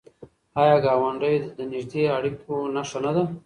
آیا ګاونډی د نږدې اړیکو نښه نه ده؟